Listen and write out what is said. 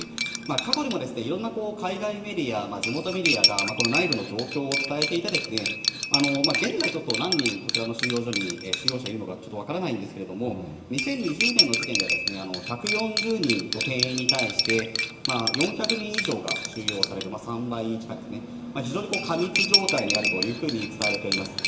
過去にもいろんな海外メディア、地元メディアがこの内部の状況を伝えていて、現在、ちょっとこちらに何人、収容所に収容者いるのか、ちょっと分からないんですけれども、２０２０年の時点では、１４０人の定員に対して、４００人以上が収容されて、３倍近いですね、非常に過密状態にあるというふうに伝えられています。